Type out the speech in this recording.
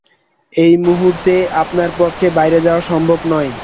এই মুহূর্তে আমার পক্ষে বাইরে যাওয়া সম্ভব নয়।